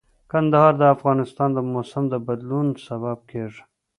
کندهار د افغانستان د موسم د بدلون سبب کېږي.